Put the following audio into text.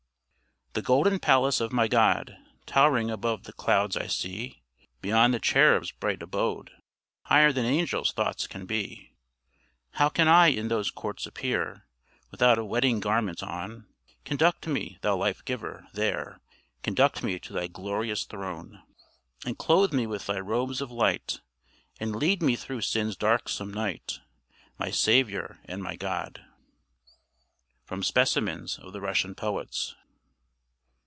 ] The golden palace of my God Tow'ring above the clouds I see Beyond the cherubs' bright abode, Higher than angels' thoughts can be: How can I in those courts appear Without a wedding garment on? Conduct me, Thou life giver, there; Conduct me to Thy glorious throne: And clothe me with thy robes of light, And lead me through sin's darksome night, My Savior and my God! From 'Specimens of the Russian Poets.'